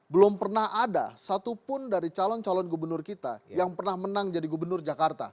belum pernah ada satupun dari calon calon gubernur kita yang pernah menang jadi gubernur jakarta